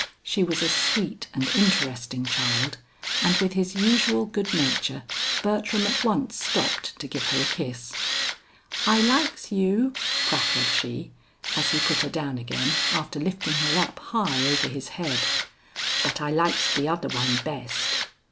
She was a sweet and interesting child, and with his usual good nature Bertram at once stopped to give her a kiss. "I likes you," prattled she as he put her down again after lifting her up high over his head, "but I likes de oder one best."